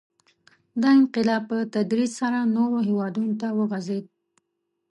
• دا انقلاب په تدریج سره نورو هېوادونو ته وغځېد.